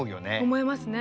思いますね。